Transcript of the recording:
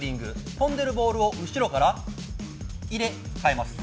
飛んでいるボールを後ろから入れ替えます。